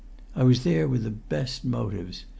I was there with the best motives.